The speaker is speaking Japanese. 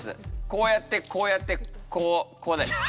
こうやってこうやってこうこうです。